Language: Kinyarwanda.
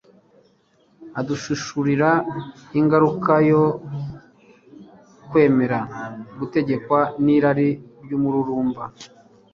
aduhishurira ingaruka yo kwemera gutegekwa n'irari ry'umururumba